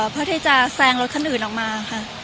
เพื่อด้วยซ่อนโรคของอื่นออกมา